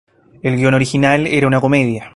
El guion original era una comedia.